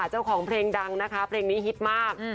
เจ้าของเพลงดังนะคะเพลงนี้ฮิตมาก